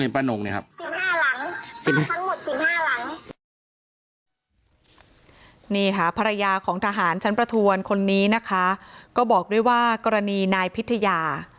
นี่ค่ะภรรยาของทหารชั้นประทวนคนนี้นะคะก็บอกด้วยว่ากรณีนายพิทยา